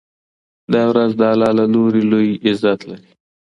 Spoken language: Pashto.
دا ورځ د الله له لوري لوی عزت لري.